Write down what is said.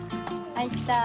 はいった。